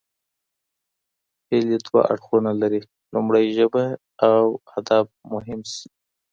هېلې دوه اړخونه لري: لومړۍ ژبه او ادب مهم شي.